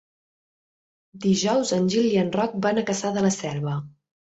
Dijous en Gil i en Roc van a Cassà de la Selva.